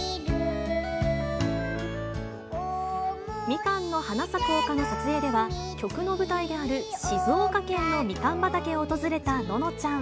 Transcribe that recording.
みかんの花咲く丘の撮影では、曲の舞台である静岡県のみかん畑を訪れたののちゃん。